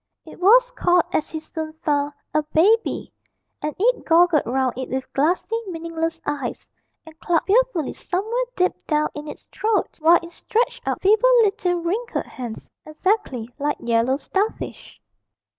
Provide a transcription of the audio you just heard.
It was called as he soon found, a 'Baby,' and it goggled round it with glassy, meaningless eyes, and clucked fearfully somewhere deep down in its throat, while it stretched out feeble little wrinkled hands, exactly like yellow starfish.